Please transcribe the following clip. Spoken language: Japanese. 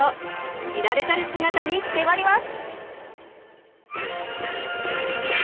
知られざる姿に迫ります！